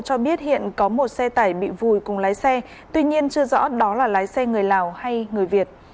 đội cứu hộ cho biết hiện có một xe tải bị vùi cùng lái xe tuy nhiên chưa rõ đó là lái xe người lào hay người việt